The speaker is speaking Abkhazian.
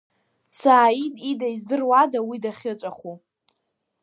Сааид ида издыруада уи дахьыҵәаху?